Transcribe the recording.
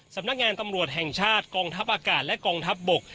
สำนักงานตำรวจแห่งชาติกองทัพอากาศและกองทัพบก